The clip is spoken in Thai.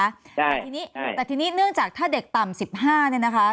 แต่ทีนี้แต่ทีนี้เนื่องจากถ้าเด็กต่ำ๑๕เนี่ยนะคะ